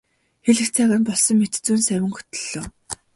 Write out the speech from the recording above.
Хэлэх цаг нь болсон мэт зөн совин хөтөллөө.